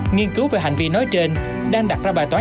nghiên cứu về hành vi nói trên đang đặt ra bài toán